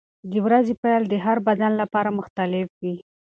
د ورځې پیل د هر بدن لپاره مختلف وي.